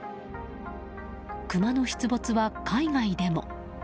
クマの出没は海外でも。